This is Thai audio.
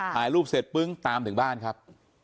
ถ่ายรูปเสร็จปึ้งตามถึงบ้านครับ